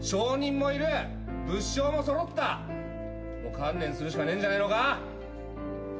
観念するしかねえんじゃねえのか？